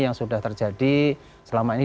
yang sudah terjadi selama ini